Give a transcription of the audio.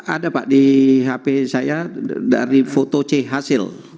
ada pak di hp saya dari foto c hasil